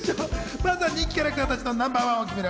まずは人気キャラクターたちのナンバーワンを決める